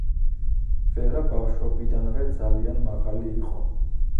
ვერა ბავშვობიდანვე ძალიან მაღალი იყო.